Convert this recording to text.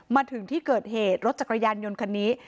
มาถึงที่เกิดเหตุรถจักรยานยนต์คันนี้